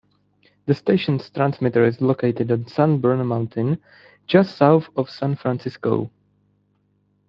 The station's transmitter is located on San Bruno Mountain, just south of San Francisco.